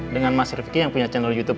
dengan mas rifki yang punya channel youtube